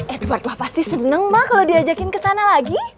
edward mah pasti seneng mah kalau diajakin ke sana lagi